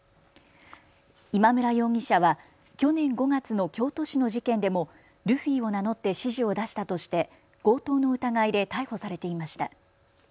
今村容疑者は去年５月の京都市の事件でもルフィを名乗って指示を出したとして強盗の疑いで逮捕されていました。